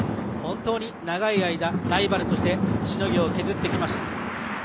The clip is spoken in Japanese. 本当に長い間ライバルとしてしのぎを削ってきました。